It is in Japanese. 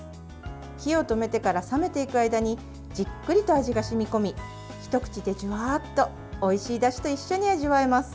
火を止めてから冷めていく間にじっくりと味が染み込み一口でジュワッとおいしいだしと一緒に味わえます。